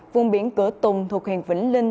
vùng biển cửa tùng thuộc hèn vĩnh linh